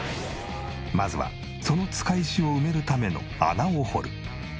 まずはその束石を埋めるための穴を掘る。